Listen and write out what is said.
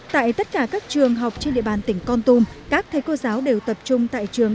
tại tất cả các trường học trên địa bàn tỉnh con tum các thầy cô giáo đều tập trung tại trường